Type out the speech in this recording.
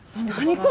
これ。